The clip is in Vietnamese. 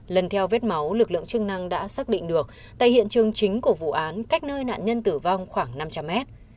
lần theo vết máu lực lượng chức năng đã xác định được tại hiện trường chính của vụ án cách nơi nạn nhân tử vong khoảng năm trăm linh mét